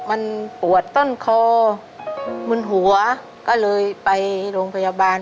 มันปวดต้นคอมึนหัวก็เลยไปโรงพยาบาล